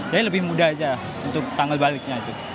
jadi lebih mudah aja untuk tanggal baliknya itu